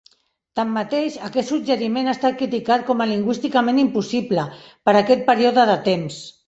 Tanmateix, aquest suggeriment ha estat criticat com a "lingüísticament impossible" per a aquest període de temps.